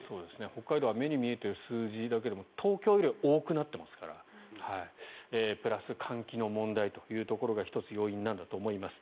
北海道は目に見えている数字だけでも東京より多くなっていますからプラス、換気の問題が１つ要因なんだと思います。